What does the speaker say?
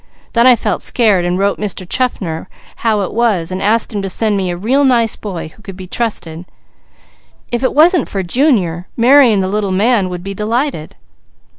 Then I felt scared and wrote Mr. Chaffner how it was and asked him to send me a real nice boy who could be trusted. If it were not for Junior Mary and the Little Man would be delighted."